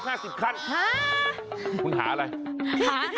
หาเจ้าอย่างหาลิฟท์